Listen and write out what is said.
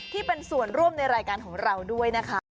ที่เป็นส่วนร่วมในรายการของเราด้วยนะคะ